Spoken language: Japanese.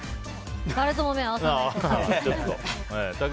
誰とも目を合わせない。